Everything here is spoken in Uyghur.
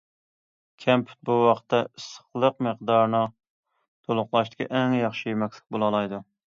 كەمپۈت بۇ ۋاقىتتا ئىسسىقلىق مىقدارىنى تولۇقلاشتىكى ئەڭ ياخشى يېمەكلىك بولالايدۇ.